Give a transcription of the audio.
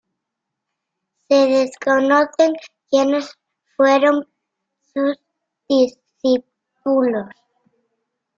Se desconocen quienes fueron sus discípulos.